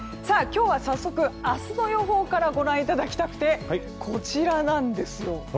今日は早速明日の予報からご覧いただきたくてこちらなんです。